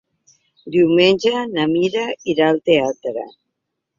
Diumenge na Mira irà al teatre.